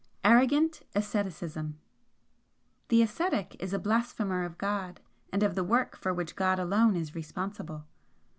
ARROGANT ASCETICISM "The ascetic is a blasphemer of God and of the work for which God alone is responsible.